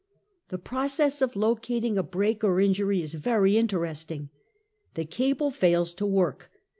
The process of locating a break or injury is very interesting. The cable fails to work.